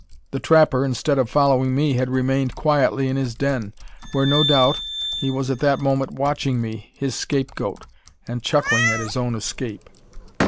The trapper, instead of following me, had remained quietly in his den, where, no doubt, he was at that moment watching me, his scapegoat, and chuckling at his own escape.